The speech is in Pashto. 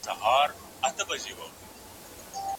هغوی د زراعت په پرمختګ کې مرسته کوي.